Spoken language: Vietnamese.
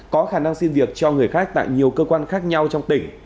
có khả năng xin việc cho người khác tại nhiều cơ quan khác nhau trong tỉnh